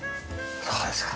そうですか。